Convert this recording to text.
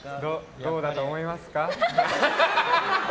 どうだと思いますか？